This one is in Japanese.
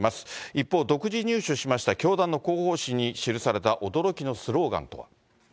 一方、独自入手しました教団の広報誌に記された驚きのスローガンとは。